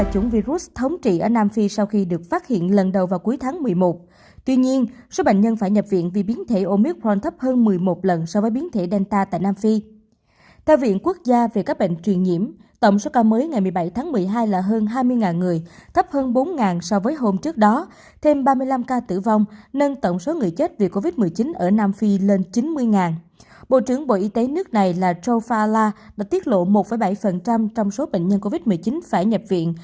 hãy đăng ký kênh để ủng hộ kênh của chúng mình nhé